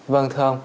vâng thưa ông